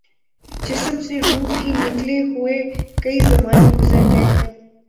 جسم سے روح بھی نکلےہوئے کئی زمانے گزر گے ہیں